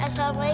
dadah adik bayi